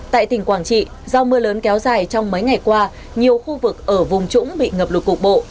tại tỉnh quảng trị do mưa lớn kéo dài trong mấy ngày qua nhiều khu vực ở vùng trũng bị ngập lụt cục bộ